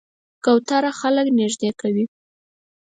کوتره خلک نږدې کوي.